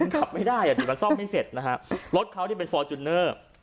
การซ่อมไม่เสร็จนะฮะรถเขาที่เป็นฟอร์จูนเนอร์